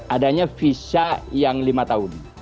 adanya visa yang lima tahun